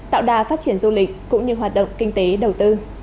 tạo đà phát triển du lịch cũng như hoạt động kinh tế đầu tư